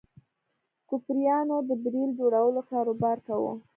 کوپریانو د بیرل جوړولو کاروبار کاوه.